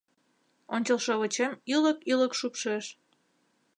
Ончылшовычем ӱлык-ӱлык шупшеш